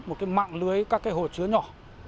một cái mạng lưới các cái hồ chứa nhỏ